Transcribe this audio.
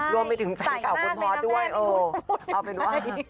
รวมไปถึงแฟนเก่าของพอสด้วยเอาเป็นว่า